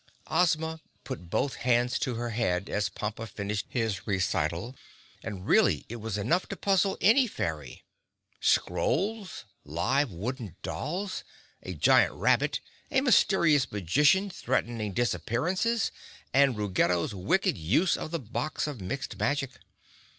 Ozma put both hands to her head as Pompa finished his recital and really it was enough to puzzle any fairy. Scrolls, live Wooden Dolls, a giant rabbit, a mysterious magician threatening disappearances and Ruggedo's wicked use of the box of Mixed Magic.